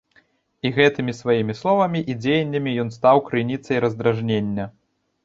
І гэтымі сваімі словамі і дзеяннямі ён стаў крыніцай раздражнення.